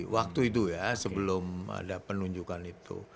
waktu itu ya sebelum ada penunjukan itu